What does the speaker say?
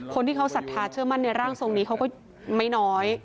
คนที่เขาศรัทธาเชื่อมั่นในร่างทรงนี้เขาก็ไม่น้อย